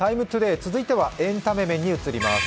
「ＴＩＭＥ，ＴＯＤＡＹ」、続いてはエンタメ面に移ります。